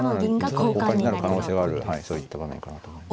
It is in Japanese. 交換になる可能性はあるそういった場面かなと思います。